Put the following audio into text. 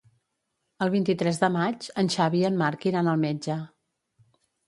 El vint-i-tres de maig en Xavi i en Marc iran al metge.